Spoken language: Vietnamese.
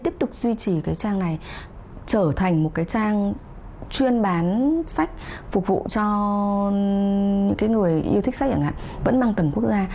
phục vụ cho những người yêu thích sách vẫn bằng tầng quốc gia